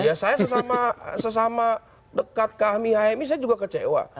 ya saya sesama dekat kami hmi saya juga kecewa